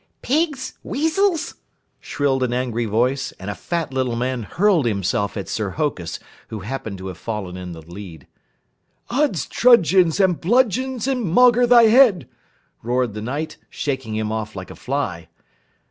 "Pigs! Weasels!" shrilled an angry voice, and a fat little man hurled himself at Sir Hokus, who happened to have fallen in the lead. "Uds trudgeons and bludgeons and maugre thy head!" roared the Knight, shaking him off like a fly.